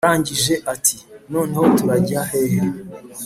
arangije ati"noneho turajya hehe?"